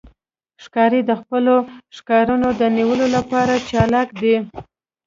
ښکاري د خپلو ښکارونو د نیولو لپاره چالاک دی.